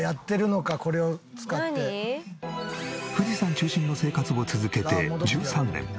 富士山中心の生活を続けて１３年。